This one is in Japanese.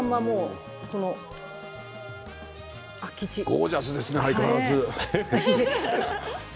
ゴージャスですね相変わらず。